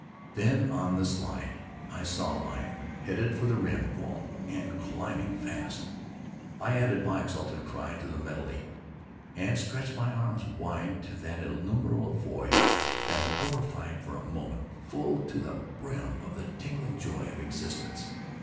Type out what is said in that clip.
Then on the slide I saw a lion headed for the rim wall and climbing fast. I added my exultant cry to the medley, and I stretched my arms wide to that illimitable void and gloried in a moment full to the brim of the tingling joy of existence.